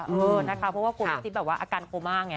เพราะว่ากลมจิ๊บแบบว่าอาการโกมางไง